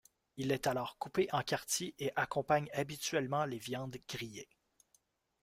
Il est alors coupé en quartiers et accompagne habituellement les viandes grillées.